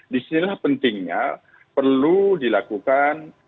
disinilah pentingnya perlu dilakukan